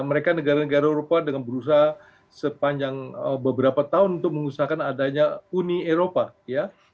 mereka negara negara eropa dengan berusaha sepanjang beberapa tahun untuk mengusahakan adanya uni eropa ya